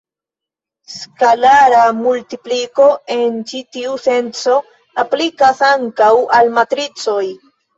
Skalara multipliko en ĉi tiu senco aplikas ankaŭ al matricoj.